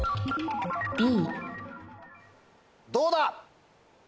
どうだ？